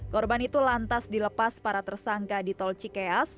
korban itu lantas dilepas para tersangka di tol cikeas